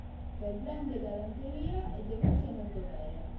Per grande galanteria e devozione al dovere.